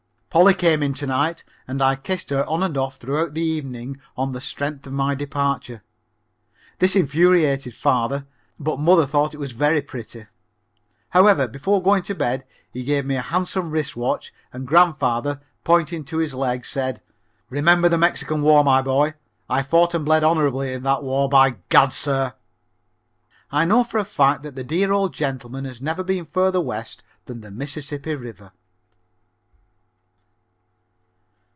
Polly came in to night and I kissed her on and off throughout the evening on the strength of my departure. This infuriated father, but mother thought it was very pretty. However, before going to bed he gave me a handsome wrist watch, and grandfather, pointing to his game leg, said: "Remember the Mexican War, my boy. I fought and bled honorably in that war, by gad, sir!" I know for a fact that the dear old gentleman has never been further west than the Mississippi River.